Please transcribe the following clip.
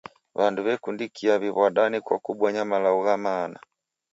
W'andu w'ekundikia w'iw'adane kwa kubonya malagho gha maana.